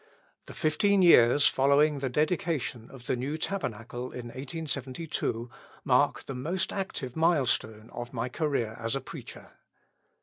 The fifteen years following the dedication of the new Tabernacle in 1872 mark the most active milestone of my career as a preacher.